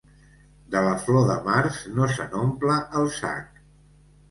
De la flor de març no se n'omple el sac.